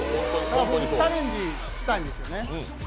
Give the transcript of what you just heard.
本当にチャレンジしたいんですよね。